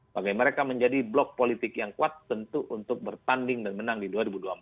bagi mereka menjadi blok politik yang kuat tentu untuk bertanding dan menang di dua ribu dua puluh empat